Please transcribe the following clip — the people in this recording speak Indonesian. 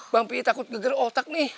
bang pi takut geger otak nih